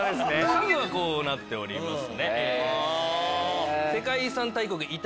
数はこうなっております。